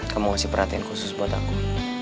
kamu kasih perhatian khusus buat aku